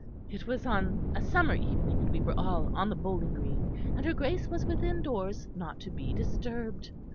It was on a summer evening; and we were all on the bowling green, and her Grace was within doors, not to be disturbed.